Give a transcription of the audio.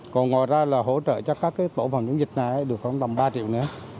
còn ngoài ra là hỗ trợ cho các tổ phần dịch này được khoảng tầm ba triệu nữa